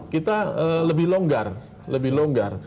kita lebih longgar lebih longgar